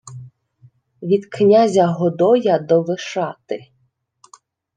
— Від князя Годоя до Вишати!